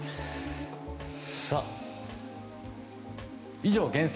以上、厳選！